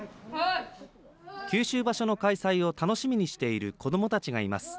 九州場所の開催を楽しみにしている子どもたちがいます。